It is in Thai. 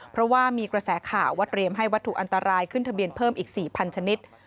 เพราะว่ามีกระแสข่าวว่าเตรียมให้วัตถุอันตรายขึ้นทะเบียนเพิ่มอีก๔๐๐ชนิด